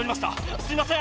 すいません。